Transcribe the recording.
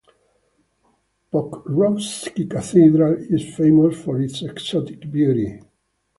Pokrovsky Cathedral is famous for its exotic beauty.